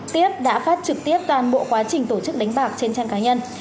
tiếp đã phát trực tiếp toàn bộ quá trình tổ chức đánh bạc trên trang cá nhân